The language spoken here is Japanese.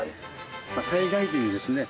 災害時にですね